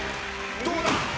どうだ？